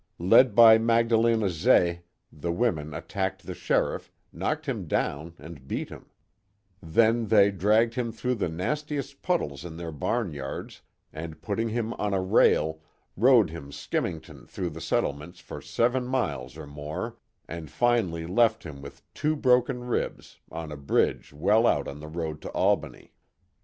Led by Magdalena Zeh, the women attacked the sheriff, knocked him down and beat him; then they dragged him through the nastiest puddles of their barn yards, and putting him on a rail, rode him skimmington through the settlements for seven miles or more, and finally left him with two broken ribs, on a bridge well out on the road to Albany.